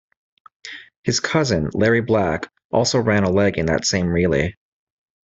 His cousin, Larry Black, also ran a leg in that same relay.